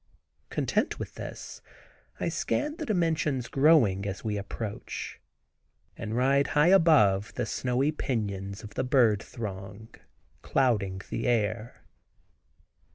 Content with this, I scan the dimensions growing, as we approach, and ride high above, the snowy pinions of the bird throng clouding the air.